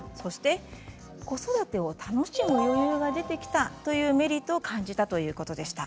子育てを楽しむ余裕も出てきたというメリットを感じたそうです。